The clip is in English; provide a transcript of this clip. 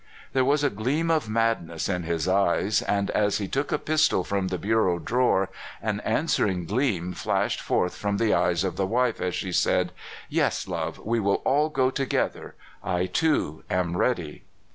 There was a gleam of madness in his eyes, and, as he took a pistol from the bureau drawer, an answering gleam flashed forth from the eyes of the wife, as she said: '* Yes, love; we will all go to gether. I too am ready."